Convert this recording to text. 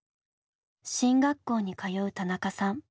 進学校に通う田中さん。